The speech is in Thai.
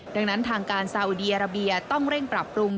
ดังนั้นทางการซาอุดีอาราเบียต้องเร่งปรับปรุง